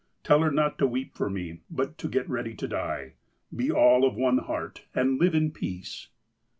Tell her not to weep for me, but to get ready to die. Be all of one heart, and live in peace